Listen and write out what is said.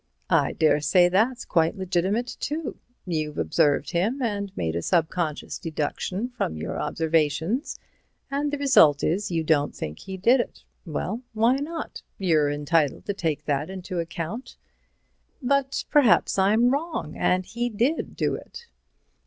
"I daresay that's quite legitimate, too. You've observed him and made a subconscious deduction from your observations, and the result is, you don't think he did it. Well, why not? You're entitled to take that into account." "But perhaps I'm wrong and he did do it."